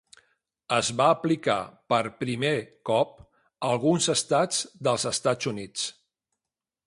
Es va aplicar per primer cop a alguns Estats dels Estats Units.